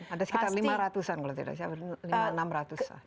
ada sekitar lima ratusan kalau tidak saya berpikir